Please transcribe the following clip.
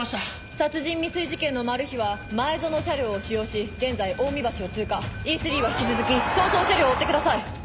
殺人未遂事件のマルヒは前薗車両を使用し現在桜海橋を通過Ｅ３は引き続き逃走車両を追ってください。